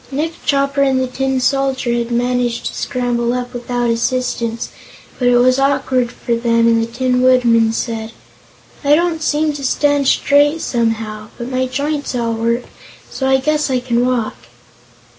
Nick Chopper and the Tin Soldier had managed to scramble up without assistance, but it was awkward for them and the Tin Woodman said: "I don't seem to stand straight, somehow. But my joints all work, so I guess I can walk."